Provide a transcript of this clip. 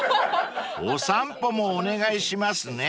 ［お散歩もお願いしますね］